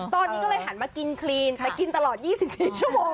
ตอนนี้ก็เลยหันมากินคลีนแต่กินตลอด๒๔ชั่วโมง